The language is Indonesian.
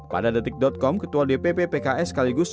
pada detik com ketua dpp pks sekaligus